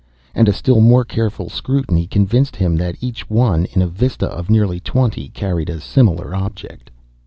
And a still more careful scrutiny convinced him that each one in a vista of nearly twenty carried a similar object.